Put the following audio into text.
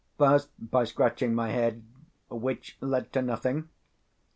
First, by scratching my head, which led to nothing.